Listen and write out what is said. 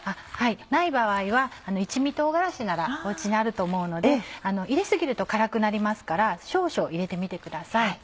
ない場合は一味唐辛子ならお家にあると思うので入れ過ぎると辛くなりますから少々入れてみてください。